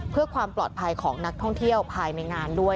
เพื่อความปลอดภัยของนักท่องเที่ยวภายในงานด้วย